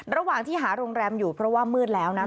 ระหว่างที่หาโรงแรมอยู่เพราะว่ามืดแล้วนะ